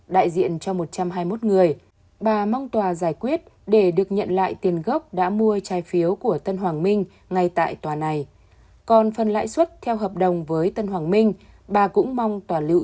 đại diện cho một trăm hai mươi một người bà mong tòa giải quyết để được nhận lại tiền gốc đã mua trái phiếu của hội đồng